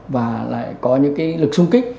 và lại có những cái lực sung kích